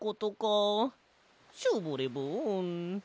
ショボレボン。